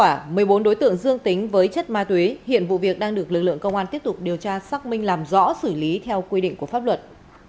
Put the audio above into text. trong đó một mươi bốn đối tượng dương tính với chất ma túy hiện vụ việc đang được lực lượng công an tiếp tục điều tra xác minh làm rõ xử lý theo quy định của pháp luật